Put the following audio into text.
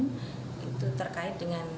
dan itu terkait dengan